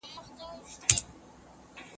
زه غواړم چې د سیل په اړه معلومات ترلاسه کړم.